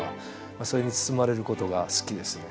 それに包まれることが好きですね。